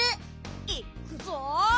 いっくぞ！